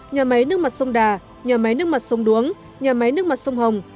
nhà máy nước mặt sông đà nhà máy nước mặt sông đuống nhà máy nước mặt sông hồng